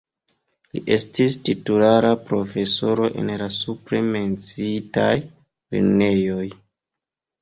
Li estis titulara profesoro en la supre menciitaj lernejoj.